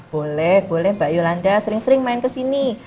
boleh boleh mbak yolanda sering sering main kesini